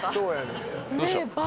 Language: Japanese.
どうした？